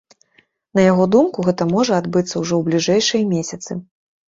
На яго думку, гэта можа адбыцца ўжо ў бліжэйшыя месяцы.